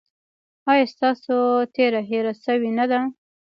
ایا ستاسو تیره هیره شوې نه ده؟